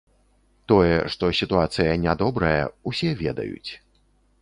Тое, што сітуацыя не добрая, усе ведаюць.